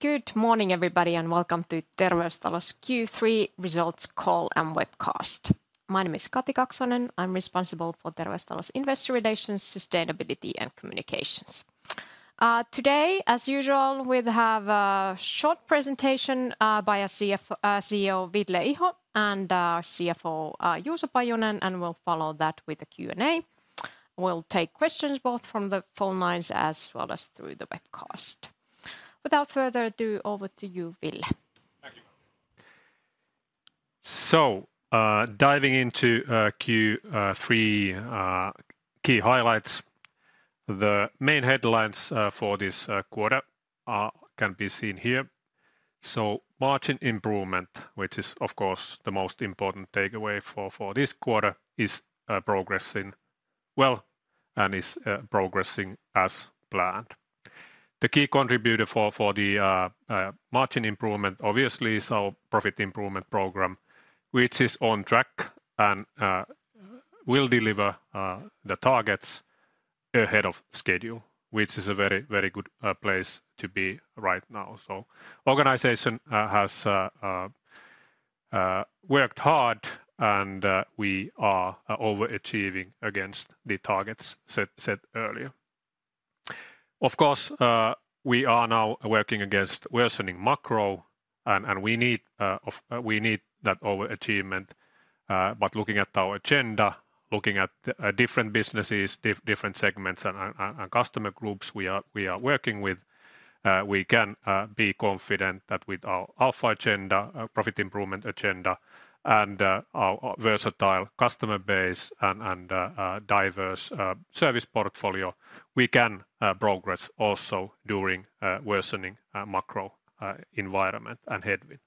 Good morning, everybody, and welcome to Terveystalo's Q3 results call and webcast. My name is Kati Kaksonen. I'm responsible for Terveystalo's investor relations, sustainability, and communications. Today, as usual, we'll have a short presentation by our CEO, Ville Iho, and our CFO, Juuso Pajunen, and we'll follow that with a Q&A. We'll take questions both from the phone lines as well as through the webcast. Without further ado, over to you, Ville. Thank you. Diving into Q3 key highlights. The main headlines for this quarter can be seen here. Margin improvement, which is of course the most important takeaway for this quarter, is progressing well and is progressing as planned. The key contributor for the margin improvement, obviously, is our profit improvement program, which is on track and will deliver the targets ahead of schedule, which is a very good place to be right now. The organization has worked hard, and we are overachieving against the targets set earlier. Of course, we are now working against worsening macro, and we need that overachievement. Looking at our agenda, looking at different businesses, different segments, and customer groups we are working with, we can be confident that with our Alpha agenda, profit improvement agenda, and our versatile customer base and diverse service portfolio, we can progress also during worsening macro environment and headwind.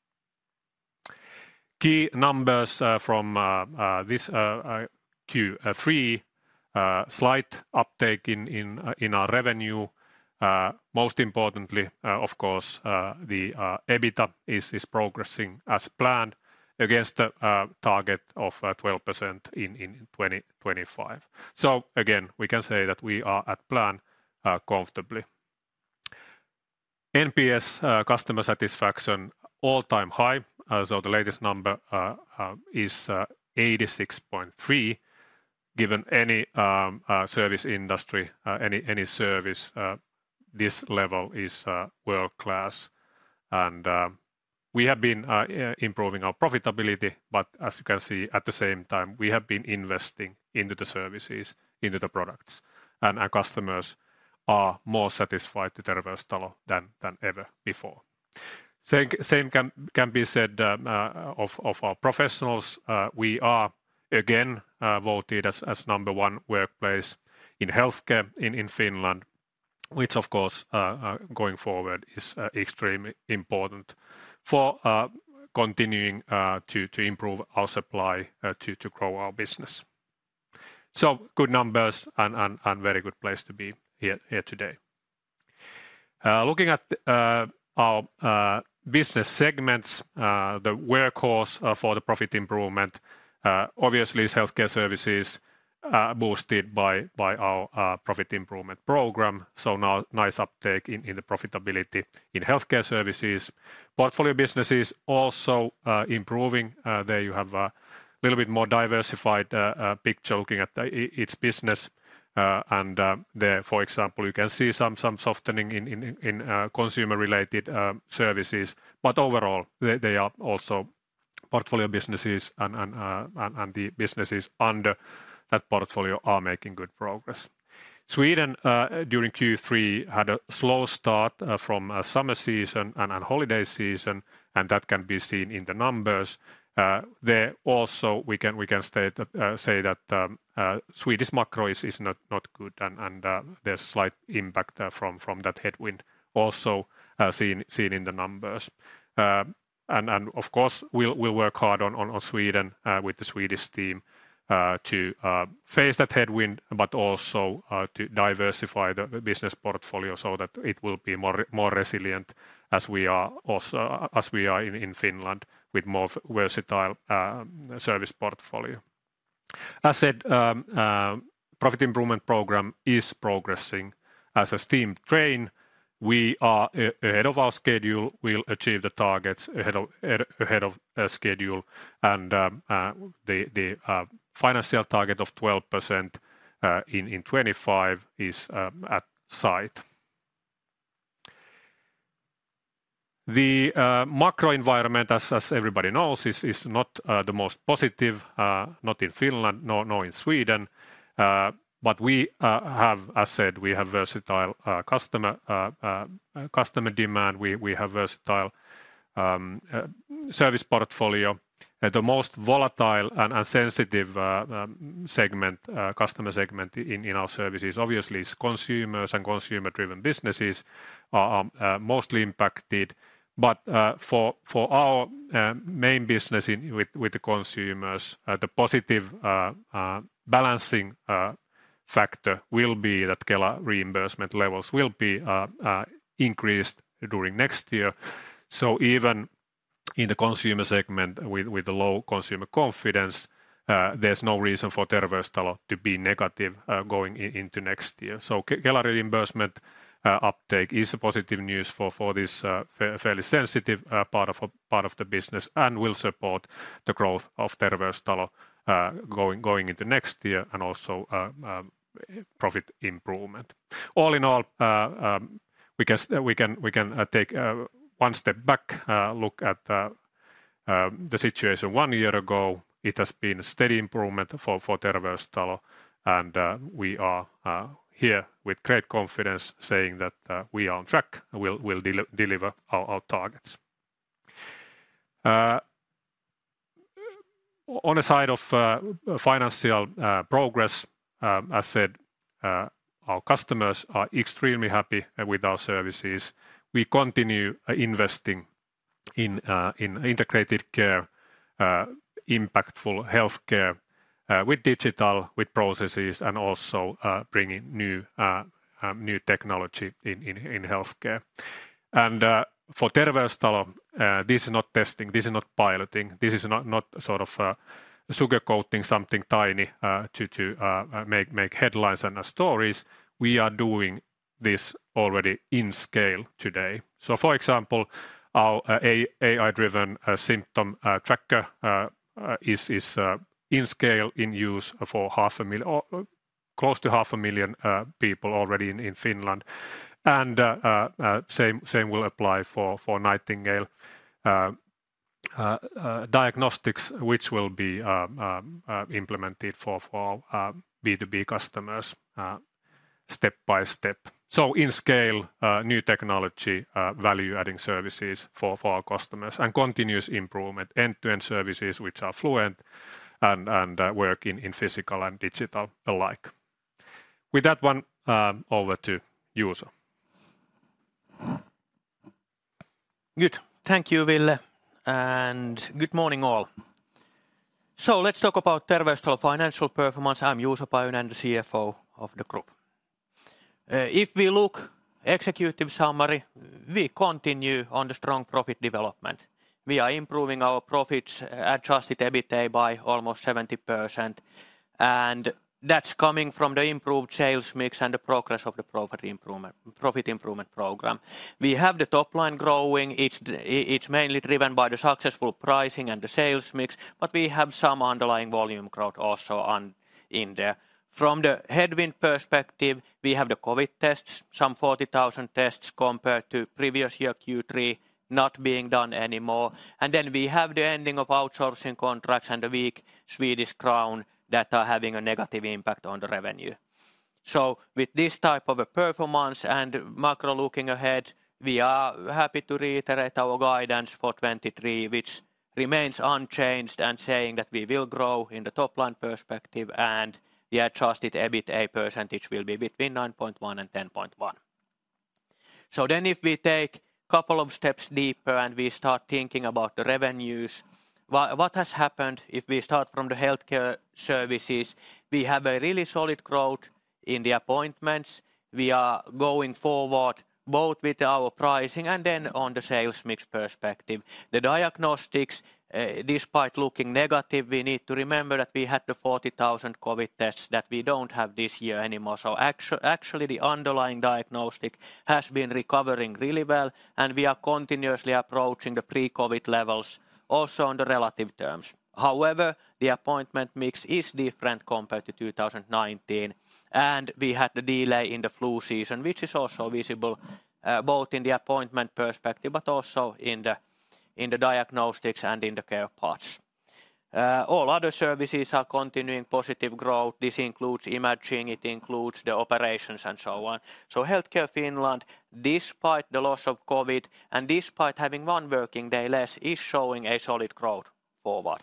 Key numbers from this Q3. Slight uptake in our revenue. Most importantly, of course, the EBITA is progressing as planned against the target of 12% in 2025. Again, we can say that we are at plan comfortably. NPS customer satisfaction all-time high, so the latest number is 86.3. Given any service industry, any service, this level is world-class. We have been improving our profitability, but as you can see, at the same time, we have been investing into the services, into the products, and our customers are more satisfied with Terveystalo than ever before. Same can be said of our professionals. We are again voted as number 1 workplace in healthcare in Finland, which of course, going forward is extremely important for continuing to improve our supply to grow our business. Good numbers and very good place to be here today. Looking at our business segments, the workhorse for the profit improvement obviously is Healthcare Services boosted by our profit improvement program. Now nice uptake in the profitability in Healthcare Services. Portfolio Businesses also improving. There you have a little bit more diversified picture looking at its business. There, for example, you can see some softening in consumer-related services. Overall, they are also Portfolio Businesses, and the businesses under that portfolio are making good progress. Sweden, during Q3, had a slow start from summer season and holiday season, and that can be seen in the numbers. Of course, we'll work hard on Sweden with the Swedish team to face that headwind, but also to diversify the business portfolio so that it will be more resilient as we are in Finland with more versatile service portfolio. As said, Profit Improvement Program is progressing as a steam train. We are ahead of our schedule. We'll achieve the targets ahead of schedule, and the financial target of 12% in 2025 is at sight. The macro environment, as everybody knows, is not the most positive, not in Finland, nor in Sweden. We have, as said, versatile customer demand. We have versatile service portfolio. The most volatile and sensitive customer segment in our services obviously is consumers, and consumer-driven businesses are mostly impacted. For our main business with the consumers, the positive balancing factor will be that Kela reimbursement levels will be increased during next year. In the consumer segment with the low consumer confidence, there's no reason for Terveystalo to be negative going into next year. Kela reimbursement uptake is a positive news for this fairly sensitive part of the business and will support the growth of Terveystalo going into next year and also profit improvement. All in all, we can take one step back, look at the situation one year ago. It has been a steady improvement for Terveystalo, and we are here with great confidence saying that we are on track and we'll deliver our targets. On the side of financial progress, as said our customers are extremely happy with our services. We continue investing in integrated care, impactful healthcare with digital, with processes, and also bringing new technology in healthcare. For Terveystalo, this is not testing, this is not piloting. This is not sort of sugarcoating something tiny to make headlines and stories. We are doing this already in scale today. For example, our AI-driven symptom tracker is in scale in use for close to half a million people already in Finland. Same will apply for Nightingale Health, which will be implemented for our B2B customers step by step. In scale, new technology, value-adding services for our customers and continuous improvement. End-to-end services which are fluent and work in physical and digital alike. With that one, over to Juuso. Good. Thank you, Ville, and good morning all. Let's talk about Terveystalo financial performance. I'm Juuso Pajunen, the CFO of the group. If we look executive summary, we continue on the strong profit development. We are improving our profits, adjusted EBITA by almost 70%, that's coming from the improved sales mix and the progress of the Profit Improvement Program. We have the top line growing. It's mainly driven by the successful pricing and the sales mix, but we have some underlying volume growth also in there. From the headwind perspective, we have the COVID tests, some 40,000 tests compared to previous year Q3 not being done anymore. Then we have the ending of outsourcing contracts and the weak Swedish crown that are having a negative impact on the revenue. With this type of a performance and macro looking ahead, we are happy to reiterate our guidance for 2023, which remains unchanged and saying that we will grow in the top line perspective. The adjusted EBITA percentage will be between 9.1%-10.1%. If we take couple of steps deeper and we start thinking about the revenues, what has happened if we start from the Healthcare Services? We have a really solid growth in the appointments. We are going forward both with our pricing and on the sales mix perspective. The diagnostics, despite looking negative, we need to remember that we had the 40,000 COVID tests that we don't have this year anymore. Actually the underlying diagnostic has been recovering really well, and we are continuously approaching the pre-COVID levels also on the relative terms. The appointment mix is different compared to 2019, and we had the delay in the flu season, which is also visible both in the appointment perspective but also in the diagnostics and in the care parts. All other services are continuing positive growth. This includes imaging, it includes the operations and so on. Healthcare Finland, despite the loss of COVID and despite having one working day less, is showing a solid growth forward.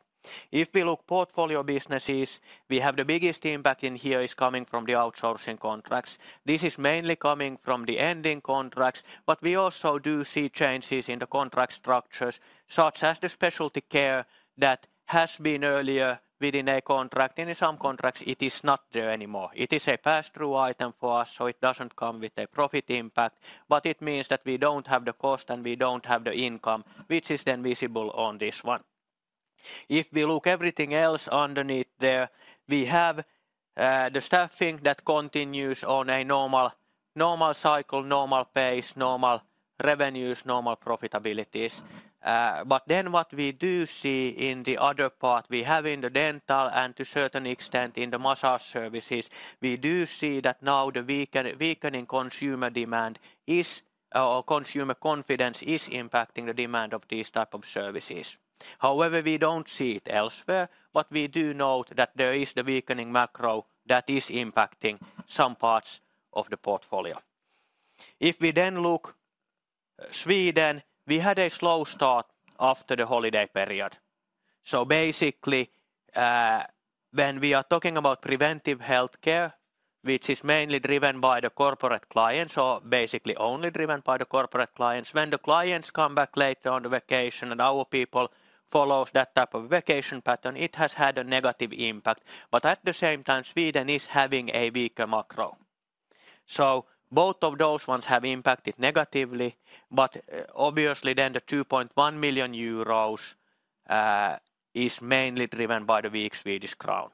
If we look Portfolio Businesses, we have the biggest impact in here is coming from the outsourcing contracts. This is mainly coming from the ending contracts, but we also do see changes in the contract structures such as the specialty care that has been earlier within a contract. In some contracts, it is not there anymore. It is a pass-through item for us, it doesn't come with a profit impact, but it means that we don't have the cost and we don't have the income, which is visible on this one. If we look everything else underneath there, we have the staffing that continues on a normal cycle, normal pace, normal revenues, normal profitabilities. What we do see in the other part we have in the dental and to certain extent in the massage services, we do see that now the weakening consumer demand, or consumer confidence is impacting the demand of these type of services. We don't see it elsewhere, but we do note that there is the weakening macro that is impacting some parts of the portfolio. If we look Sweden, we had a slow start after the holiday period. Basically, when we are talking about preventive healthcare, which is mainly driven by the corporate clients or basically only driven by the corporate clients. When the clients come back later on the vacation and our people follows that type of vacation pattern, it has had a negative impact. Sweden is having a weaker macro. Both of those ones have impacted negatively, but the 2.1 million euros is mainly driven by the weak Swedish krona.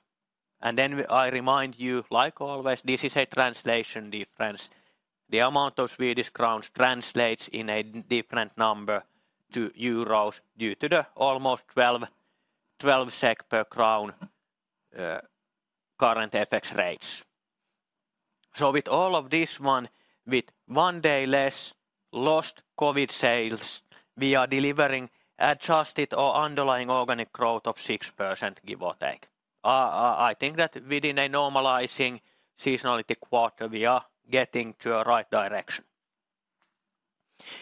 I remind you, like always, this is a translation difference. The amount of Swedish krona translates in a different number to EUR due to the almost 12 SEK per krona current FX rates. With all of this one, with one day less lost COVID sales, we are delivering adjusted or underlying organic growth of 6%, give or take. I think that within a normalizing seasonality quarter, we are getting to a right direction.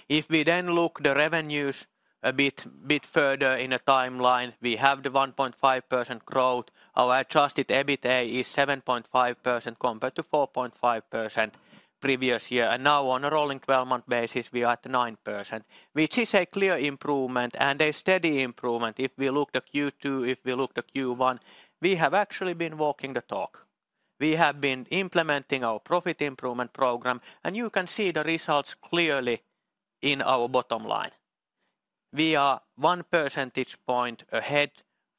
If we look the revenues a bit further in a timeline, we have the 1.5% growth. Our adjusted EBITA is 7.5% compared to 4.5% previous year. Now on a rolling 12-month basis, we are at 9%, which is a clear improvement and a steady improvement. If we look to Q2, if we look to Q1, we have actually been walking the talk. We have been implementing our Profit Improvement Program, and you can see the results clearly in our bottom line. We are one percentage point ahead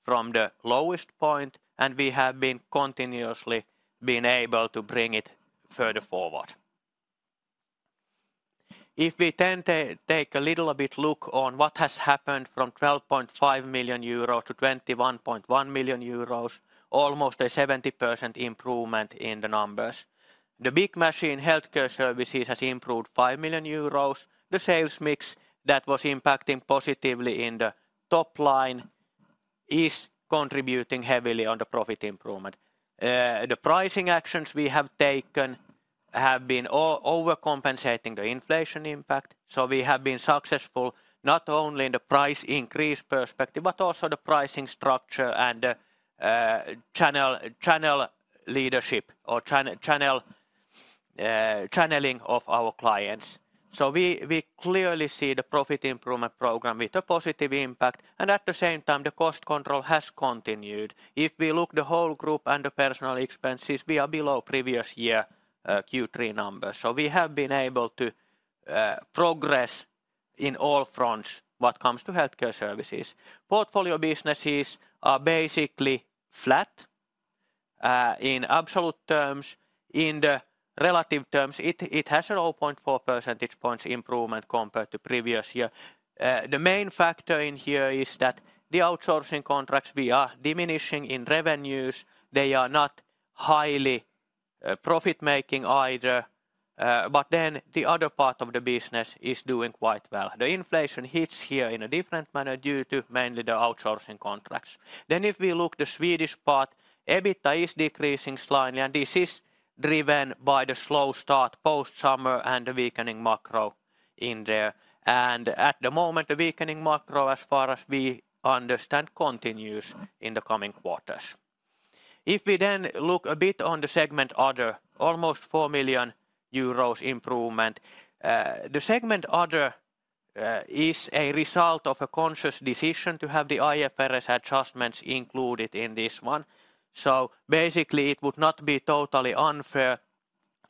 from the lowest point, and we have been continuously been able to bring it further forward. If we take a little bit look on what has happened from 12.5 million euros to 21.1 million euros, almost a 70% improvement in the numbers. The big machine Healthcare Services has improved 5 million euros. The sales mix that was impacting positively in the top line is contributing heavily on the profit improvement. The pricing actions we have taken have been overcompensating the inflation impact. We have been successful not only in the price increase perspective, but also the pricing structure and channel leadership or channeling of our clients. We clearly see the Profit Improvement Program with a positive impact. At the same time, the cost control has continued. If we look the whole group and the personal expenses, we are below previous year Q3 numbers. We have been able to progress in all fronts when it comes to Healthcare Services. Portfolio Businesses are basically flat in absolute terms. In the relative terms, it has a 0.4 percentage points improvement compared to previous year. The main factor in here is that the outsourcing contracts, we are diminishing in revenues. They are not highly profit-making either. The other part of the business is doing quite well. The inflation hits here in a different manner due to mainly the outsourcing contracts. If we look the Swedish part, EBITDA is decreasing slightly, and this is driven by the slow start post-summer and the weakening macro in there. At the moment, the weakening macro, as far as we understand, continues in the coming quarters. If we look a bit on the segment other, almost 4 million euros improvement. The segment other is a result of a conscious decision to have the IFRS adjustments included in this one. Basically it would not be totally unfair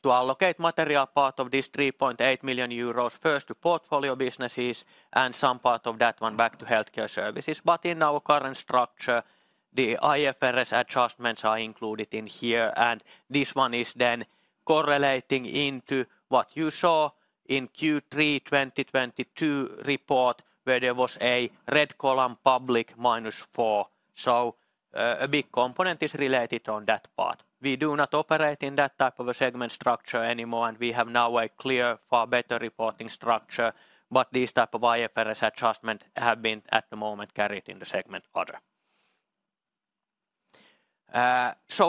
to allocate material part of this 3.8 million euros first to Portfolio Businesses and some part of that one back to Healthcare Services. In our current structure, the IFRS adjustments are included in here, and this one is correlating into what you saw in Q3 2022 report, where there was a red column public minus four. A big component is related on that part. We do not operate in that type of a segment structure anymore, and we have now a clear, far better reporting structure. This type of IFRS adjustment have been, at the moment, carried in the segment other.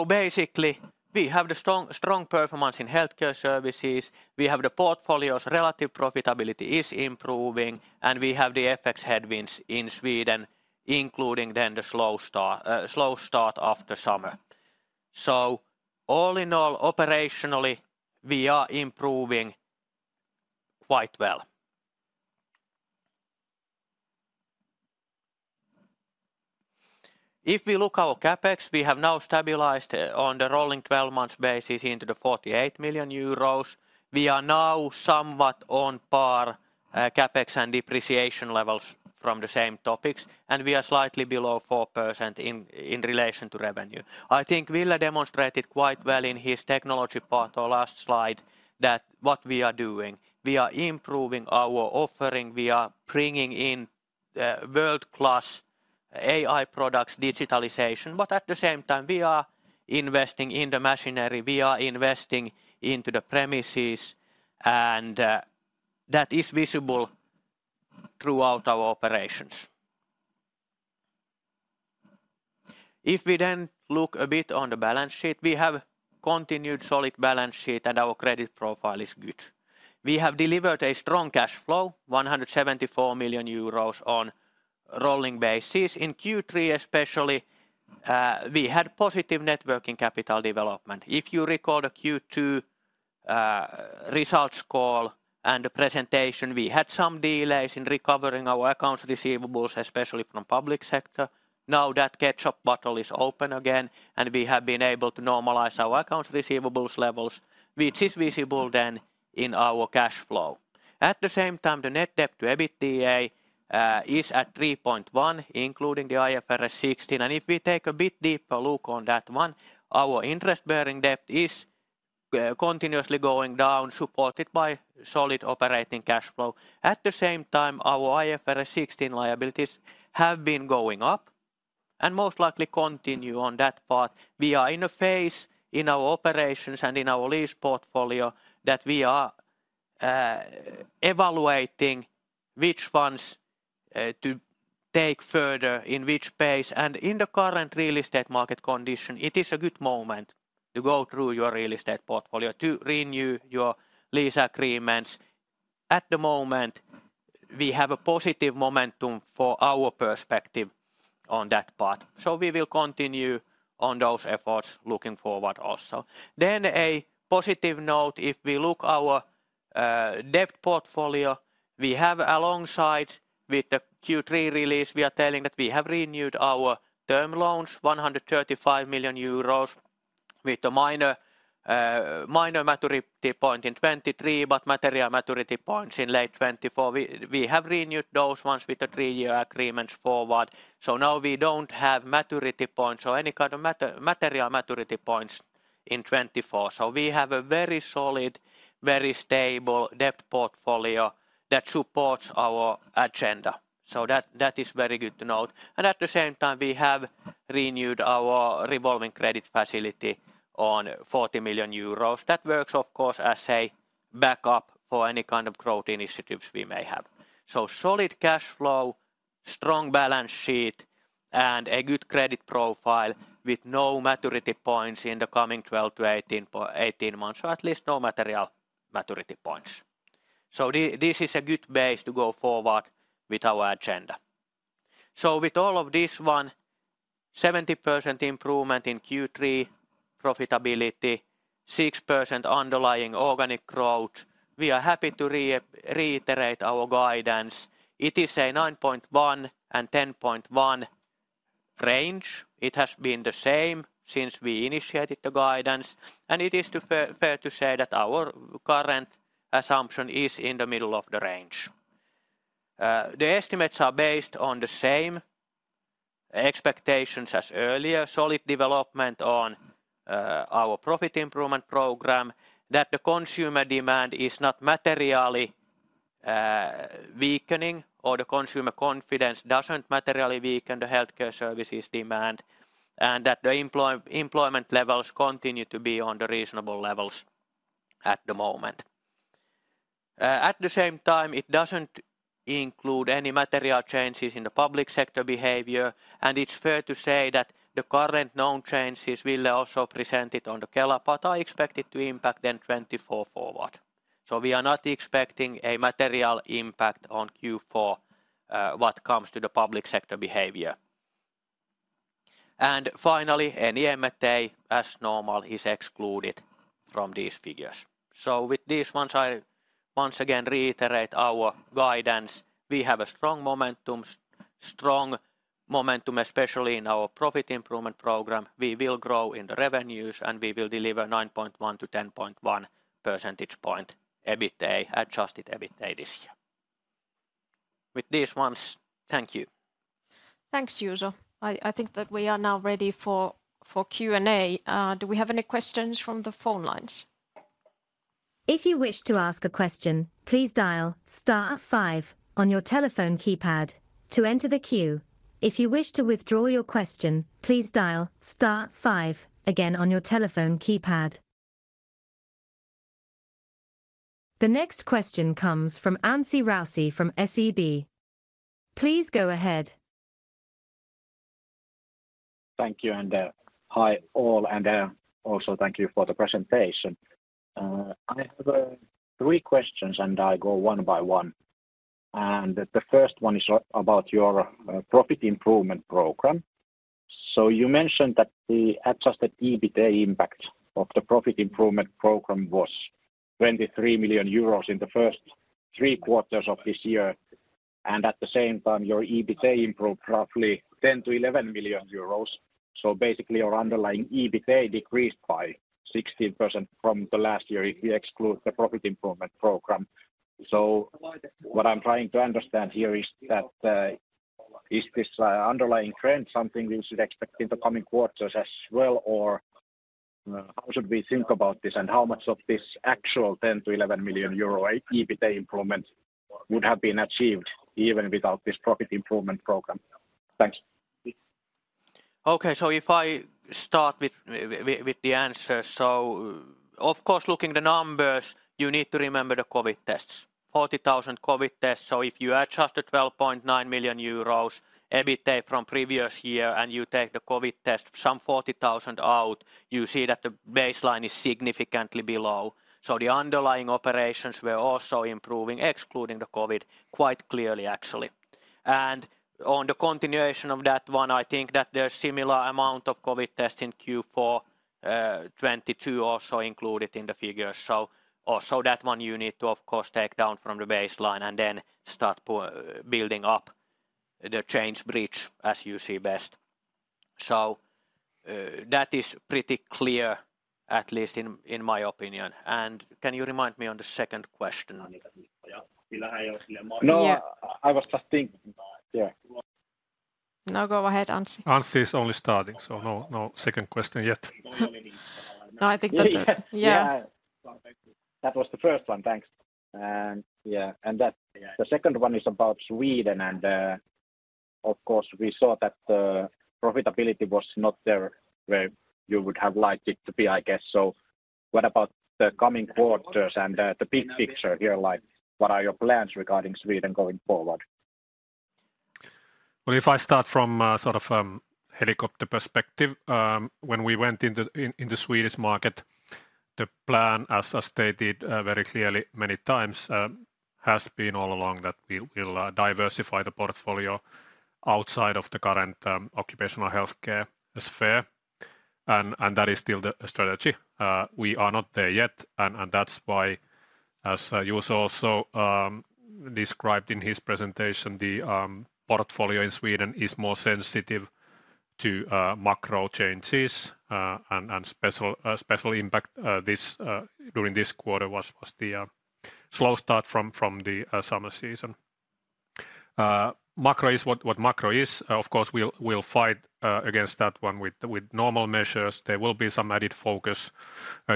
Basically we have the strong performance in Healthcare Services. We have the portfolio's relative profitability is improving, and we have the FX headwinds in Sweden, including the slow start after summer. All in all, operationally, we are improving quite well. If we look our CapEx, we have now stabilized on the rolling 12 months basis into the 48 million euros. We are now somewhat on par CapEx and depreciation levels from the same topics, and we are slightly below 4% in relation to revenue. I think Ville demonstrated quite well in his technology part or last slide that what we are doing, we are improving our offering. We are bringing in world-class AI products, digitalization, but at the same time, we are investing in the machinery, we are investing into the premises, and that is visible throughout our operations. If we then look a bit on the balance sheet, we have continued solid balance sheet and our credit profile is good. We have delivered a strong cash flow, 174 million euros on rolling basis. In Q3 especially, we had positive net working capital development. If you recall the Q2 results call and the presentation, we had some delays in recovering our accounts receivables, especially from public sector. Now that ketchup bottle is open again, and we have been able to normalize our accounts receivables levels, which is visible then in our cash flow. At the same time, the net debt to EBITDA is at 3.1, including the IFRS 16. If we take a bit deeper look on that one, our interest-bearing debt is continuously going down, supported by solid operating cash flow. At the same time, our IFRS 16 liabilities have been going up and most likely continue on that path. We are in a phase in our operations and in our lease portfolio that we are evaluating which ones to take further in which pace. In the current real estate market condition, it is a good moment to go through your real estate portfolio to renew your lease agreements. At the moment, we have a positive momentum for our perspective on that part. We will continue on those efforts looking forward also. Then a positive note, if we look our debt portfolio, we have alongside with the Q3 release, we are telling that we have renewed our term loans, 135 million euros with a minor maturity point in 2023, but material maturity points in late 2024. We have renewed those ones with the three-year agreements forward. Now we don't have maturity points or any kind of material maturity points in 2024. We have a very solid, very stable debt portfolio that supports our agenda. That is very good to note. At the same time, we have renewed our revolving credit facility on 40 million euros. That works, of course, as a backup for any kind of growth initiatives we may have. Solid cash flow, strong balance sheet, and a good credit profile with no maturity points in the coming 12 to 18 months, or at least no material maturity points. This is a good base to go forward with our agenda. With all of this one, 70% improvement in Q3 profitability, 6% underlying organic growth. We are happy to reiterate our guidance. It is a 9.1 and 10.1 range. It has been the same since we initiated the guidance, and it is fair to say that our current assumption is in the middle of the range. The estimates are based on the same expectations as earlier. Solid development on our profit improvement program, that the consumer demand is not materially weakening, or the consumer confidence doesn't materially weaken the healthcare services demand, and that the employment levels continue to be on the reasonable levels at the moment. At the same time, it doesn't include any material changes in the public sector behavior, and it's fair to say that the current known changes Ville also presented on the Kela, are expected to impact 2024 forward. We are not expecting a material impact on Q4 when it comes to the public sector behavior. Finally, any M&A, as normal, is excluded from these figures. With these ones, I once again reiterate our guidance. We have a strong momentum, especially in our profit improvement program. We will grow in the revenues, and we will deliver 9.1 to 10.1 percentage point EBITA, adjusted EBITA this year. With this, once, thank you. Thanks, Juuso. I think that we are now ready for Q&A. Do we have any questions from the phone lines? If you wish to ask a question, please dial *5 on your telephone keypad to enter the queue. If you wish to withdraw your question, please dial *5 again on your telephone keypad. The next question comes from Anssi Raussi from SEB. Please go ahead. Thank you, hi all, also thank you for the presentation. I have three questions, I go one by one. The first one is about your profit improvement program. You mentioned that the adjusted EBITDA impact of the profit improvement program was 23 million euros in the first three quarters of this year, and at the same time, your EBITDA improved roughly 10 million-11 million euros. Basically, your underlying EBITDA decreased by 16% from the last year if you exclude the profit improvement program. What I'm trying to understand here is that, is this underlying trend something we should expect in the coming quarters as well, or how should we think about this? How much of this actual 10 million-11 million euro EBITDA improvement would have been achieved even without this profit improvement program? Thanks. Okay, if I start with the answer. Of course, looking at the numbers, you need to remember the COVID tests, 40,000 COVID tests. If you adjust the 12.9 million euros EBITDA from previous year and you take the COVID test, some 40,000 out, you see that the baseline is significantly below. The underlying operations were also improving, excluding the COVID, quite clearly actually. On the continuation of that one, I think that there's similar amount of COVID tests in Q4 2022 also included in the figures. That one you need to, of course, take down from the baseline and then start building up the change bridge as you see best. That is pretty clear, at least in my opinion. Can you remind me on the second question? No, I was just thinking about it. Yeah. No, go ahead, Anssi. Anssi is only starting, no second question yet. No, I think. Yeah. Yeah. That was the first one. Thanks. The second one is about Sweden, of course, we saw that the profitability was not there where you would have liked it to be, I guess. What about the coming quarters and the big picture here? What are your plans regarding Sweden going forward? Well, if I start from a helicopter perspective, when we went into the Swedish market, the plan, as stated very clearly many times, has been all along that we'll diversify the portfolio outside of the current occupational healthcare sphere. That is still the strategy. We are not there yet, that's why, as Juuso also described in his presentation, the portfolio in Sweden is more sensitive to macro changes and special impact during this quarter was the slow start from the summer season. Macro is what macro is. Of course, we'll fight against that one with normal measures. There will be some added focus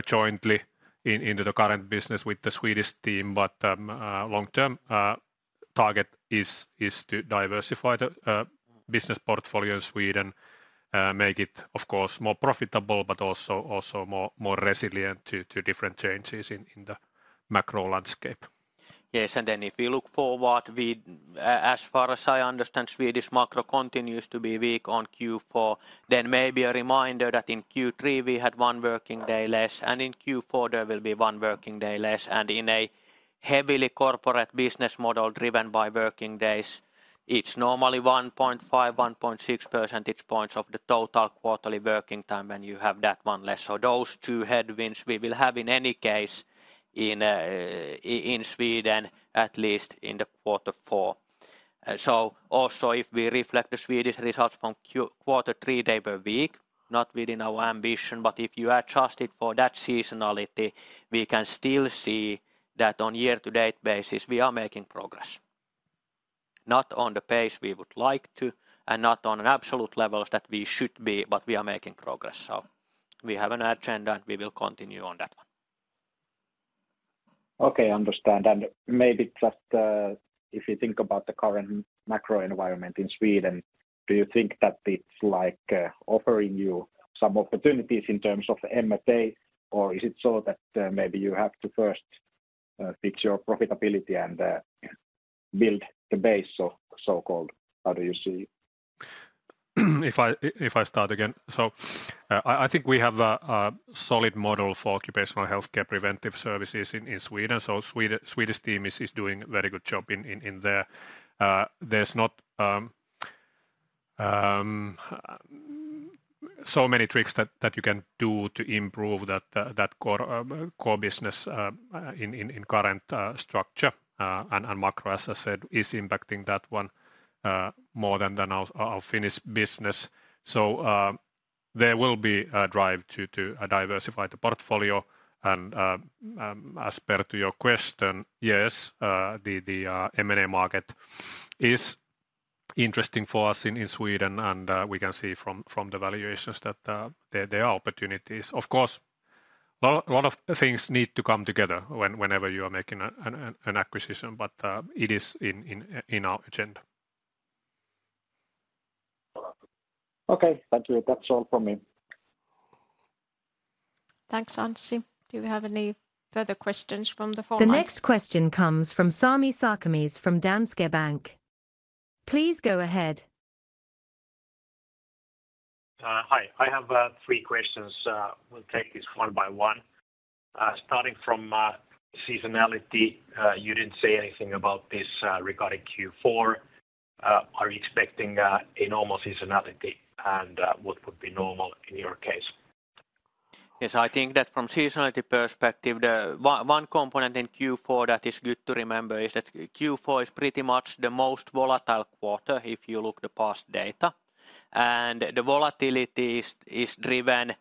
jointly into the current business with the Swedish team, long-term target is to diversify the business portfolio in Sweden. Make it, of course, more profitable, also more resilient to different changes in the macro landscape. Yes. If we look forward, as far as I understand, Swedish macro continues to be weak on Q4. Maybe a reminder that in Q3, we had one working day less, and in Q4, there will be one working day less. In a heavily corporate business model driven by working days, it is normally 1.5, 1.6 percentage points of the total quarterly working time when you have that one less. Those two headwinds we will have in any case in Sweden, at least in the quarter four. Also if we reflect the Swedish results from quarter three day per week, not within our ambition, but if you adjust it for that seasonality, we can still see that on year-to-date basis, we are making progress. Not on the pace we would like to, not on an absolute level that we should be, but we are making progress. We have an agenda, and we will continue on that one. Okay. Understand. Maybe just if you think about the current macro environment in Sweden, do you think that it is offering you some opportunities in terms of M&A, or is it so that maybe you have to first fix your profitability and build the base of so-called how do you see? If I start again. I think we have a solid model for occupational healthcare preventive services in Sweden. Swedish team is doing very good job in there. There's not so many tricks that you can do to improve that core business in current structure. Macro, as I said, is impacting that one more than our Finnish business. There will be a drive to diversify the portfolio. As per to your question, yes, the M&A market is interesting for us in Sweden, and we can see from the valuations that there are opportunities. Of course, a lot of things need to come together whenever you are making an acquisition, but it is in our agenda. Okay. Thank you. That's all from me. Thanks, Anssi. Do we have any further questions from the floor? The next question comes from Sami Sarkamies from Danske Bank. Please go ahead. Hi. I have three questions. I will take this one by one. Starting from seasonality, you didn't say anything about this regarding Q4. Are you expecting a normal seasonality, and what would be normal in your case? Yes, I think that from seasonality perspective, one component in Q4 that is good to remember is that Q4 is pretty much the most volatile quarter if you look the past data. The volatility is driven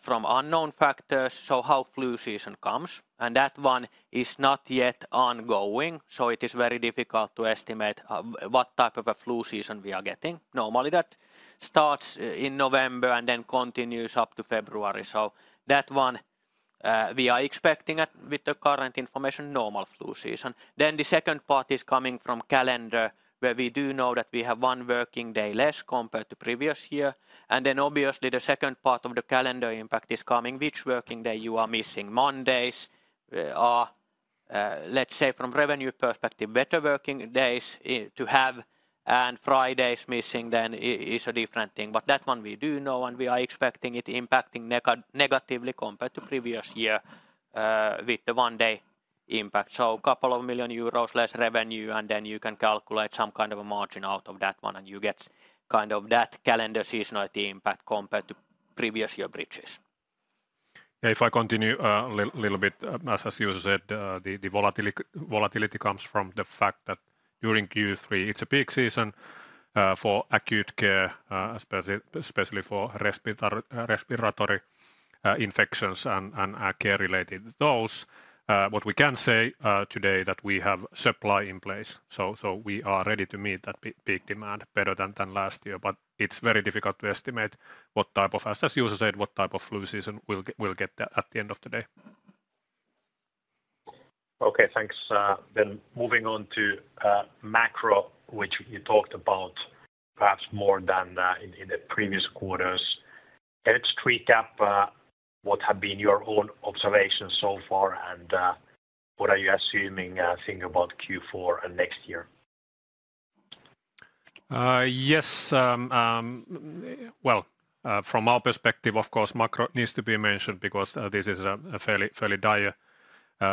from unknown factors, so how flu season comes, and that one is not yet ongoing, so it is very difficult to estimate what type of a flu season we are getting. Normally, that starts in November and then continues up to February. That one we are expecting with the current information, normal flu season. The second part is coming from calendar, where we do know that we have one working day less compared to previous year. Obviously the second part of the calendar impact is coming, which working day you are missing. Mondays are, let's say from revenue perspective, better working days to have, and Fridays missing then is a different thing. That one we do know, and we are expecting it impacting negatively compared to previous year with the one-day impact. Couple of million EUR less revenue, and then you can calculate some kind of a margin out of that one, and you get that calendar seasonality impact compared to previous year bridges. If I continue a little bit, as Juuso said, the volatility comes from the fact that during Q3, it's a peak season for acute care, especially for respiratory infections and care-related. Those what we can say today that we have supply in place. We are ready to meet that big demand better than last year. It's very difficult to estimate what type of, as Juuso said, flu season we'll get there at the end of the day. Okay, thanks. Moving on to macro, which you talked about perhaps more than in the previous quarters. Let's recap what have been your own observations so far and what are you assuming, thinking about Q4 and next year? Yes. Well, from our perspective, of course, macro needs to be mentioned because this is a fairly dire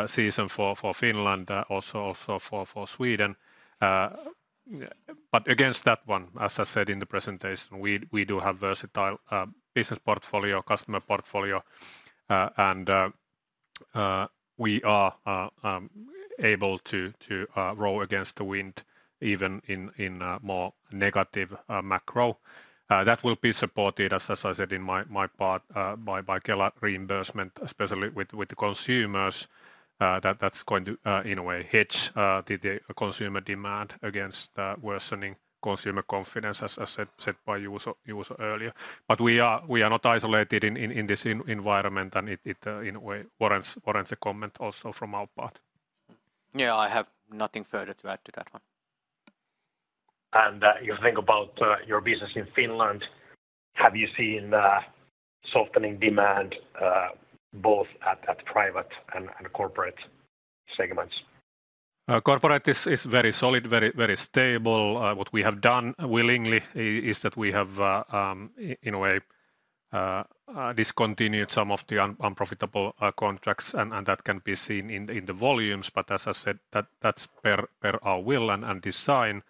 season for Finland, also for Sweden. Against that one, as I said in the presentation, we do have versatile business portfolio, customer portfolio, and we are able to row against the wind even in more negative macro. That will be supported, as I said in my part, by Kela reimbursement, especially with the consumers, that's going to, in a way, hedge the consumer demand against worsening consumer confidence, as said by Juuso earlier. We are not isolated in this environment, and it, in a way, warrants a comment also from our part. Yeah, I have nothing further to add to that one. You think about your business in Finland, have you seen softening demand both at private and corporate segments? Corporate is very solid, very stable. What we have done willingly is that we have, in a way, discontinued some of the unprofitable contracts, and that can be seen in the volumes. As I said, that's per our will and design.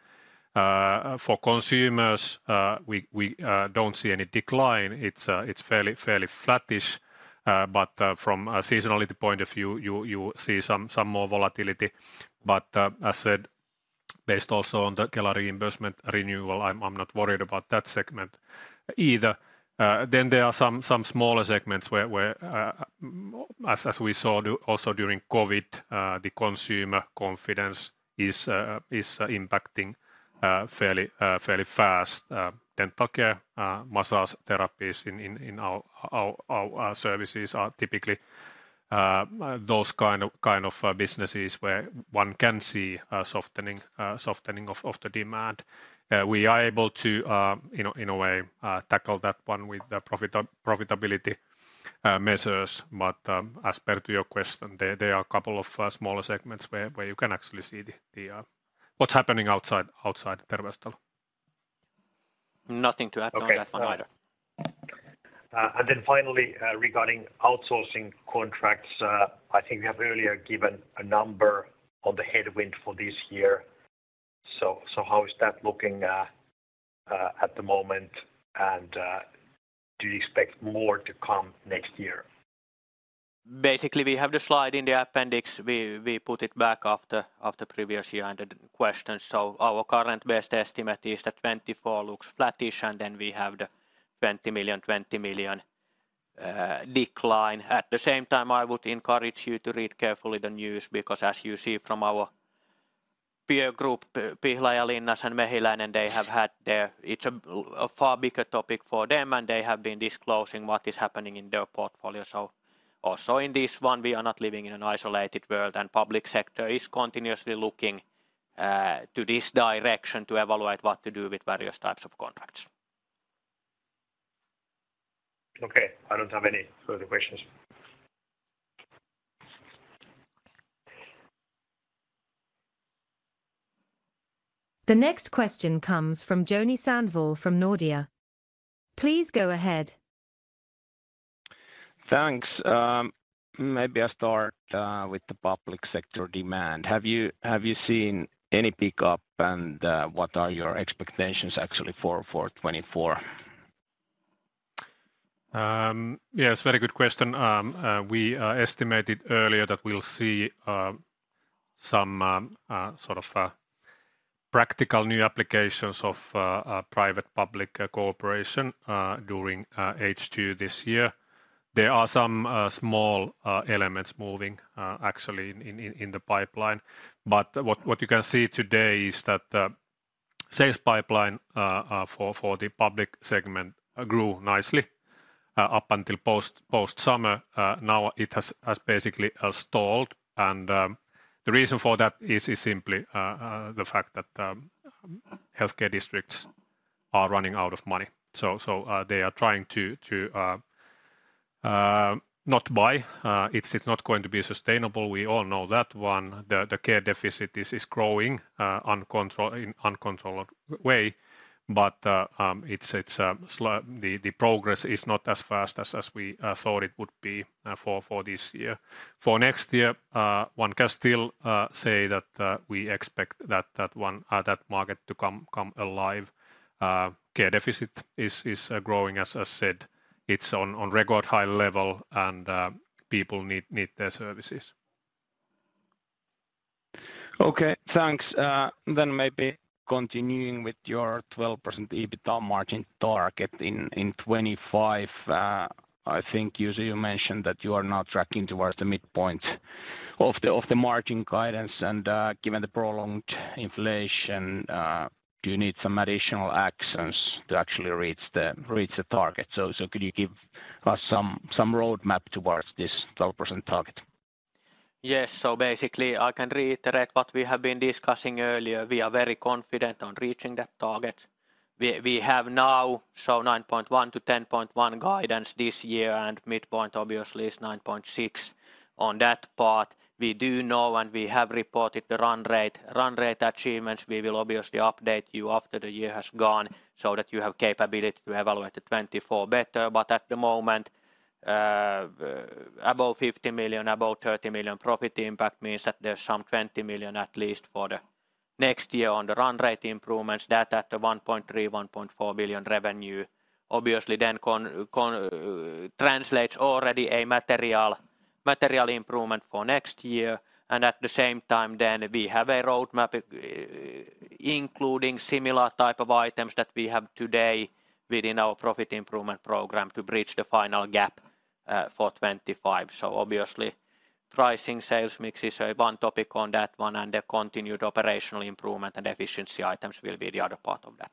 For consumers, we don't see any decline. It's fairly flattish. From a seasonality point of view, you see some more volatility. As said, based also on the Kela reimbursement renewal, I'm not worried about that segment either. There are some smaller segments where, as we saw also during COVID, the consumer confidence is impacting fairly fast. Dental care, massage therapies in our services are typically those kind of businesses where one can see a softening of the demand. We are able to, in a way, tackle that one with the profitability measures. As per to your question, there are a couple of smaller segments where you can actually see what's happening outside Terveystalo. Nothing to add on that one either. Okay. Then finally, regarding outsourcing contracts, I think we have earlier given a number on the headwind for this year. How is that looking at the moment? Do you expect more to come next year? Basically, we have the slide in the appendix. We put it back after previous year-ended questions. Our current best estimate is that 2024 looks flattish, and then we have the 20 million decline. At the same time, I would encourage you to read carefully the news because as you see from our peer group, Pihlajalinna and Mehiläinen, it's a far bigger topic for them, and they have been disclosing what is happening in their portfolio. Also in this one, we are not living in an isolated world, and public sector is continuously looking to this direction to evaluate what to do with various types of contracts. Okay. I don't have any further questions. The next question comes from Joni Sandvall from Nordea. Please go ahead. Thanks. Maybe I start with the public sector demand. Have you seen any pickup, and what are your expectations actually for 2024? Yes, very good question. We estimated earlier that we'll see some sort of practical new applications of private-public cooperation during H2 this year. There are some small elements moving actually in the pipeline. What you can see today is that the sales pipeline for the public segment grew nicely up until post-summer. Now it has basically stalled, and the reason for that is simply the fact that healthcare districts are running out of money. They are trying to not buy. It's not going to be sustainable. We all know that one. The care deficit is growing in uncontrolled way. The progress is not as fast as we thought it would be for this year. For next year, one can still say that we expect that market to come alive. Care deficit is growing. As I said, it's on record high level, and people need their services. Okay, thanks. Maybe continuing with your 12% EBITDA margin target in 2025. I think, Juuso, you mentioned that you are now tracking towards the midpoint of the margin guidance, and given the prolonged inflation, do you need some additional actions to actually reach the target? Could you give us some roadmap towards this 12% target? Yes. Basically, I can reiterate what we have been discussing earlier. We are very confident on reaching that target. We have now shown 9.1%-10.1% guidance this year, and midpoint obviously is 9.6% on that part. We do know and we have reported the run rate achievements. We will obviously update you after the year has gone so that you have capability to evaluate the 2024 better. At the moment, above 50 million, above 30 million profit impact means that there's some 20 million at least for the next year on the run rate improvements. That at the 1.3 billion-1.4 billion revenue obviously translates already a material improvement for next year. At the same time, we have a roadmap including similar type of items that we have today within our Profit Improvement Program to bridge the final gap for 2025. Obviously pricing sales mix is one topic on that one, and the continued operational improvement and efficiency items will be the other part of that.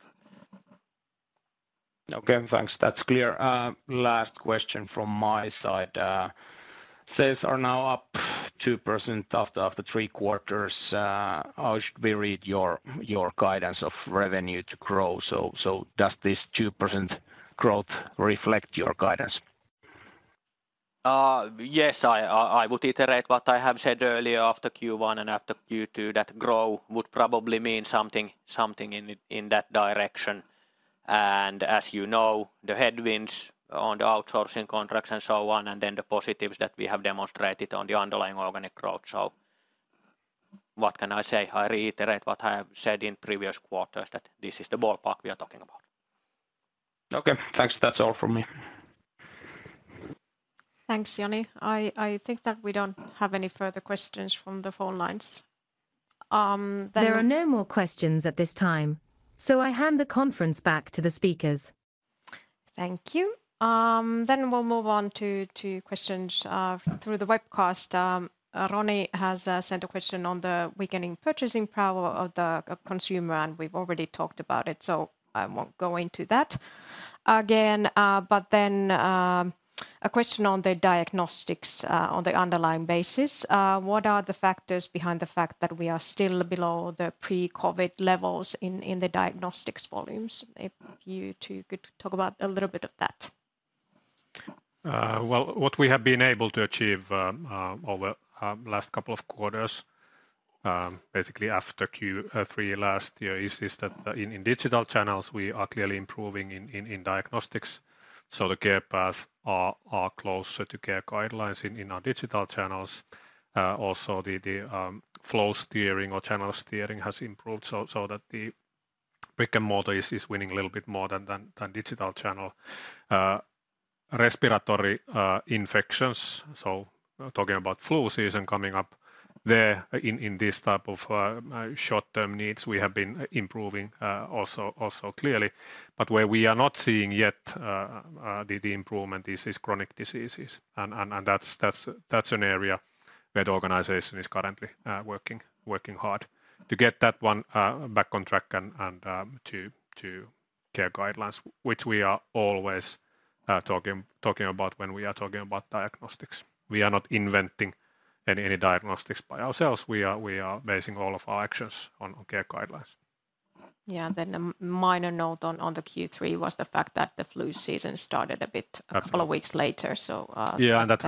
Okay, thanks. That's clear. Last question from my side. Sales are now up 2% after three quarters. How should we read your guidance of revenue to grow? Does this 2% growth reflect your guidance? Yes, I would iterate what I have said earlier after Q1 and after Q2, that grow would probably mean something in that direction. As you know, the headwinds on the outsourcing contracts and so on, and then the positives that we have demonstrated on the underlying organic growth. What can I say? I reiterate what I have said in previous quarters, that this is the ballpark we are talking about. Okay, thanks. That's all from me. Thanks, Joni. I think that we don't have any further questions from the phone lines. There are no more questions at this time, I hand the conference back to the speakers. Thank you. We'll move on to questions through the webcast. Ronnie has sent a question on the weakening purchasing power of the consumer. We've already talked about it, so I won't go into that again. A question on the diagnostics, on the underlying basis. What are the factors behind the fact that we are still below the pre-COVID levels in the diagnostics volumes? If you two could talk about a little bit of that. What we have been able to achieve over last couple of quarters, basically after Q3 last year, is that in digital channels we are clearly improving in diagnostics. The care paths are closer to care guidelines in our digital channels. Also, the flow steering or channel steering has improved so that the brick-and-mortar is winning a little bit more than digital channel. Respiratory infections, talking about flu season coming up, there in this type of short-term needs, we have been improving also clearly. Where we are not seeing yet the improvement is chronic diseases. That's an area where the organization is currently working hard to get that one back on track and to care guidelines, which we are always talking about when we are talking about diagnostics. We are not inventing any diagnostics by ourselves. We are basing all of our actions on care guidelines. A minor note on the Q3 was the fact that the flu season started a bit. Absolutely It started a couple of weeks later. Yeah, that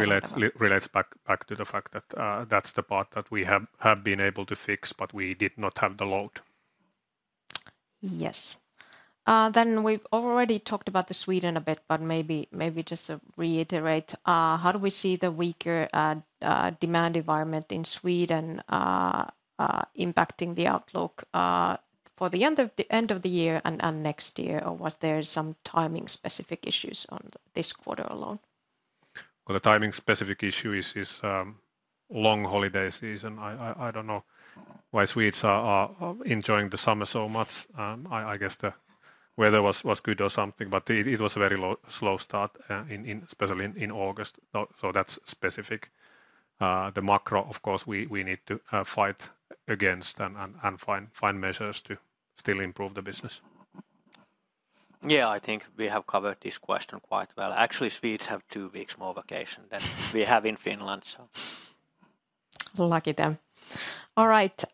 relates back to the fact that that's the part that we have been able to fix, but we did not have the load. Yes. We've already talked about the Sweden a bit, but maybe just to reiterate, how do we see the weaker demand environment in Sweden impacting the outlook for the end of the year and next year? Or was there some timing specific issues on this quarter alone? Well, the timing specific issue is long holiday season. I don't know why Swedes are enjoying the summer so much. I guess the weather was good or something, but it was a very slow start, especially in August. That's specific. The macro, of course, we need to fight against and find measures to still improve the business. Yeah, I think we have covered this question quite well. Actually, Swedes have two weeks more vacation than we have in Finland. Lucky them. All right.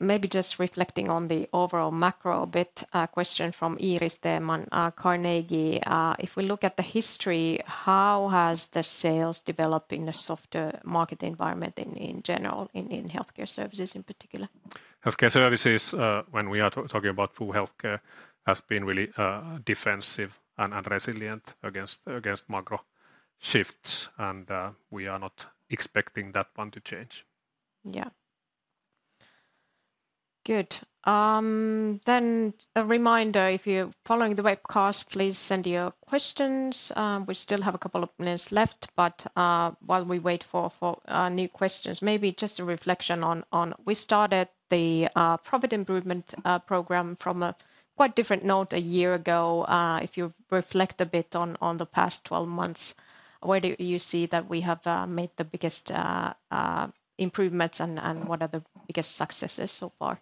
Maybe just reflecting on the overall macro a bit. A question from Iiris Theman, Carnegie Investment Bank. If we look at the history, how has the sales developed in a softer market environment in general, in Healthcare Services in particular? Healthcare Services, when we are talking about full healthcare, has been really defensive and resilient against macro shifts. We are not expecting that one to change. Yeah. Good. A reminder, if you're following the webcast, please send your questions. We still have a couple of minutes left. While we wait for new questions, maybe just a reflection on we started the profit improvement program from a quite different note a year ago. If you reflect a bit on the past 12 months, where do you see that we have made the biggest improvements and what are the biggest successes so far?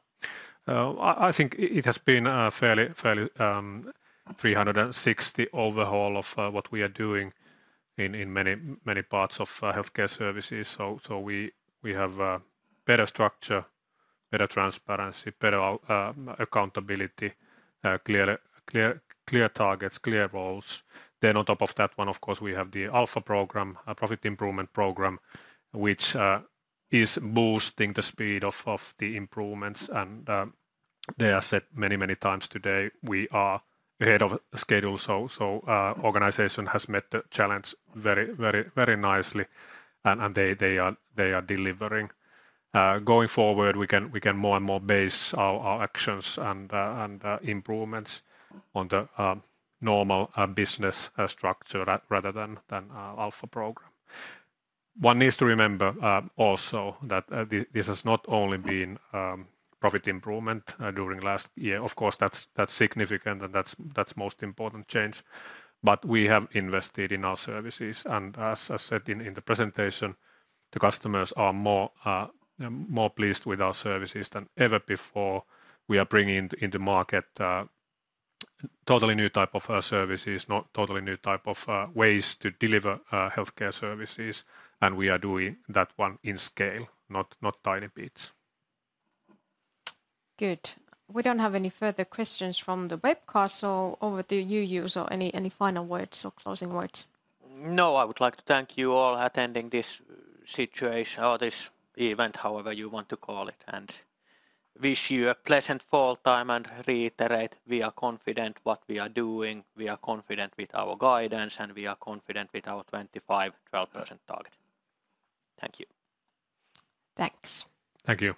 I think it has been a fairly 360 overhaul of what we are doing in many parts of Healthcare Services. We have better structure, better transparency, better accountability, clear targets, clear roles. On top of that one, of course, we have the Alpha program, a profit improvement program, which is boosting the speed of the improvements. They are said many times today, we are ahead of schedule. Organization has met the challenge very nicely and they are delivering. Going forward, we can more and more base our actions and improvements on the normal business structure rather than Alpha program. One needs to remember also that this has not only been profit improvement during last year. Of course, that's significant and that's most important change. We have invested in our services. As I said in the presentation, the customers are more pleased with our services than ever before. We are bringing in the market totally new type of services, totally new type of ways to deliver Healthcare Services, and we are doing that one in scale, not tiny bits. Good. We don't have any further questions from the webcast, over to you, Juuso. Any final words or closing words? No, I would like to thank you all attending this situation or this event, however you want to call it, and wish you a pleasant fall time and reiterate we are confident what we are doing, we are confident with our guidance, and we are confident with our 2025 12% target. Thank you. Thanks. Thank you.